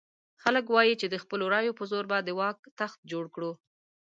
خلک وایي چې د خپلو رایو په زور به د واک تخت جوړ کړو.